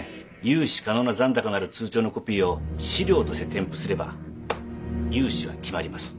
融資可能な残高のある通帳のコピーを資料として添付すれば融資は決まります。